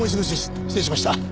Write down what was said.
失礼しました。